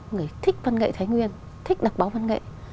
người thích văn nghệ thái nguyên thích đặc bó văn nghệ